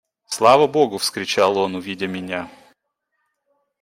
«Слава богу! – вскричал он, увидя меня.